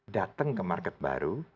datang ke market baru